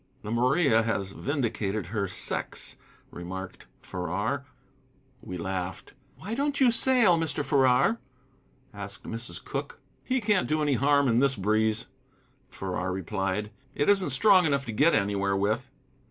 "The Maria has vindicated her sex," remarked Farrar. We laughed. "Why don't you sail, Mr. Farrar?" asked Mrs. Cooke. "He can't do any harm in this breeze," Farrar replied; "it isn't strong enough to get anywhere with."